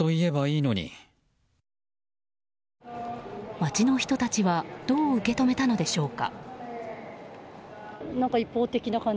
街の人たちはどう受け止めたのでしょうか。